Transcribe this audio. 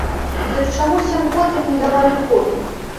Дык чаму сем год ім не давалі ходу?